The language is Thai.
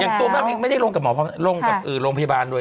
อย่างตัวเมืองอีกไม่ได้ลงกับแมวลงกับโรงพยาบาลเลย